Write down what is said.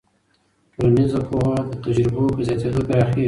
ټولنیز پوهه د تجربو په زیاتېدو پراخېږي.